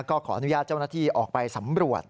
ก็ขออนุญาตเจ้าหน้าที่ออกไปสำรวจ